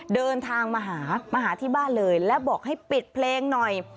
เดินทางมาหามาหาที่บ้านเลยและบอกให้ปิดเพลงหน่อย